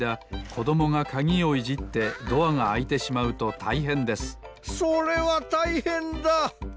こどもがかぎをいじってドアがあいてしまうとたいへんですそれはたいへんだ！